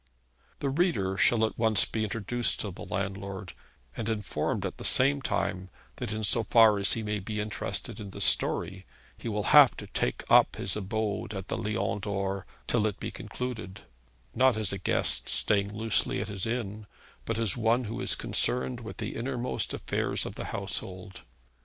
The reader shall at once be introduced to the landlord, and informed at the same time that, in so far as he may be interested in this story, he will have to take up his abode at the Lion d'Or till it be concluded; not as a guest staying loosely at his inn, but as one who is concerned with all the innermost affairs of the household.